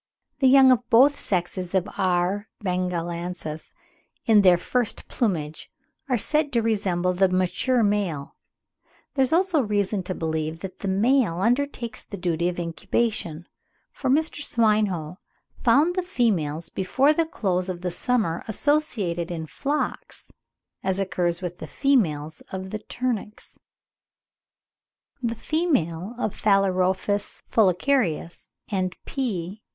The young of both sexes of R. bengalensis in their first plumage are said to resemble the mature male. (18. 'The Indian Field,' Sept. 1858, p. 3.) There is also reason to believe that the male undertakes the duty of incubation, for Mr. Swinhoe (19. 'Ibis,' 1866, p. 298.) found the females before the close of the summer associated in flocks, as occurs with the females of the Turnix. The females of Phalaropus fulicarius and P.